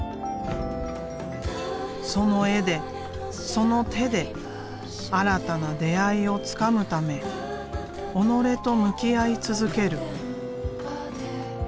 その絵でその手で新たな出会いをつかむため己と向き合い続ける。